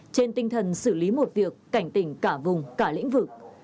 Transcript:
trên tinh thần xử lý một việc cảnh tỉnh cả vùng cả lĩnh vực